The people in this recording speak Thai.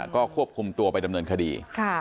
ก็ควบคุมตัวไปดำเนินคดี